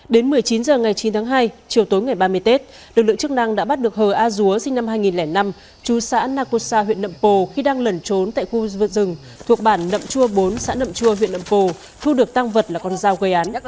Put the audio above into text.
đến một mươi chín h ngày chín tháng hai chiều tối ngày ba mươi tết lực lượng chức năng đã bắt được hờ a dúa sinh năm hai nghìn năm chú xã nacosa huyện nậm pồ khi đang lẩn trốn tại khu vượt rừng thuộc bản nậm chua bốn xã nậm chua huyện nậm pồ thu được tăng vật là con dao gây án